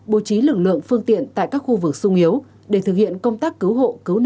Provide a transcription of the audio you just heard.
bố trí lực lượng phương tiện tại các khu vực sung yếu để thực hiện công tác cứu hộ cứu nạn khi có yêu cầu